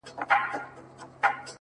تاته به پټ وژاړم تاته په خندا به سم”